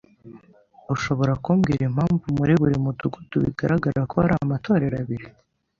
Ushobora kumbwira impamvu muri buri mudugudu bigaragara ko hari amatorero abiri?